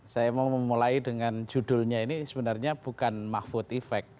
saya mau memulai dengan judulnya ini sebenarnya bukan mahfud effect